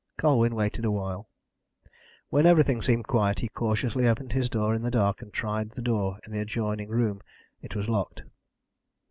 Colwyn waited awhile. When everything seemed quiet, he cautiously opened his door in the dark, and tried the door of the adjoining room. It was locked.